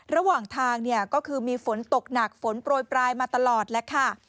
ระหว่างทางเนี่ยก็คือมีฝนตกหนักฝนโปรยปลายมาตลอดแล้วค่ะ